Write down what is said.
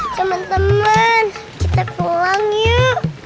temen temen kita pulang yuk